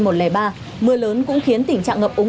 mưa lớn cũng khiến tình trạng ngập úng